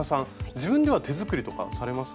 自分では手作りとかされますか？